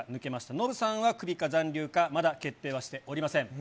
ノブさんはクビか残留か、まだ決定はしておりません。